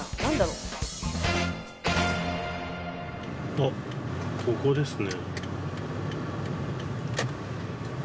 あっここですね。